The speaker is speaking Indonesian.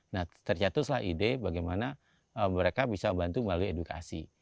nah tercatuslah ide bagaimana mereka bisa bantu melalui edukasi